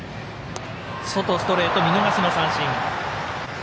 外ストレート、見逃しの三振。